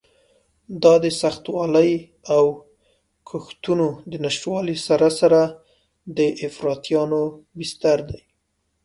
دا د سختوالي او کښتونو د نشتوالي سره سره د افراطیانو بستر دی.